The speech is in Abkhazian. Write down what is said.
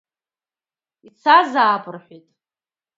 Ицазаап, рҳәеит.